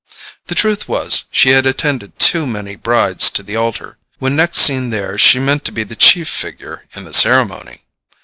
The truth was, she had attended too many brides to the altar: when next seen there she meant to be the chief figure in the ceremony.